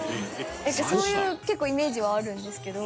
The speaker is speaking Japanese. なんかそういう結構イメージはあるんですけど。